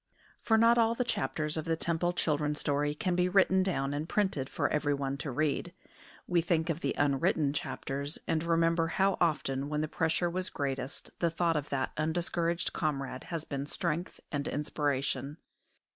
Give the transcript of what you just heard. For not all the chapters of the Temple children's story can be written down and printed for everyone to read. We think of the unwritten chapters, and remember how often when the pressure was greatest the thought of that undiscouraged comrade has been strength and inspiration.